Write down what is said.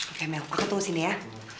oke mil aku tunggu sini ya